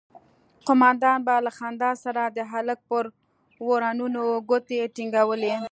قومندان به له خندا سره د هلک پر ورنونو گوتې ټينگولې.